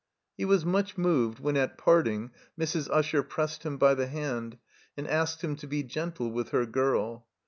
He was much moved when at parting Mrs. Usher pressed him by the hand and asked him to be gentle with her girl.